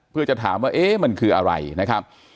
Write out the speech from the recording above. เพื่อจะถามว่าเอ๊ะมันคืออะไรนะครับ